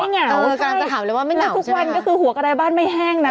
เออกำลังจะหาว่าทุกวันก็คือหัวกะไดบ้านไม่แห้งนะ